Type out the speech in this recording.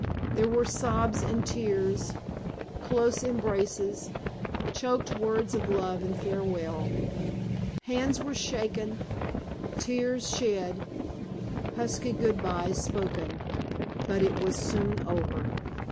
There were sobs and tears, close embraces, choked words of love and farewell; hands were shaken, tears shed, husky good byes spoken. But it was soon over.